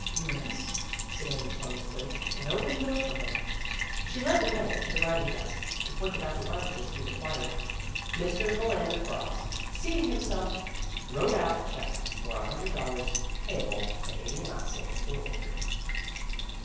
"Yes," said Amy tonelessly, and opened the door for him. She led the way to the writing desk, and pointed out the articles he required. Mr. Philander Frost, seating himself, wrote out a check for a hundred dollars, payable to Amy Lassell or order.